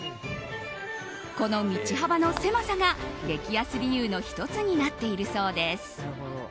この道幅の狭さが激安理由の１つになっているそうです。